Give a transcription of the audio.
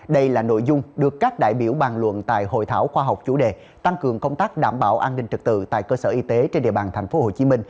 đây là nội dung được các đại biểu bàn luận tại hội thảo khoa học chủ đề tăng cường công tác đảm bảo an ninh trật tự tại cơ sở y tế trên địa bàn tp hcm